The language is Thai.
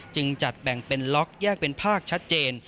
จัดแบ่งเป็นล็อกแยกเป็นภาคชัดเจน